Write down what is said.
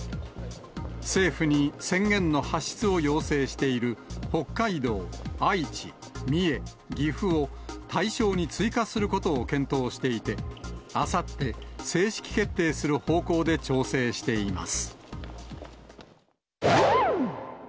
政府に宣言の発出を要請している北海道、愛知、三重、岐阜を対象に追加することを検討していて、あさって、正式決定する方向で調整しています。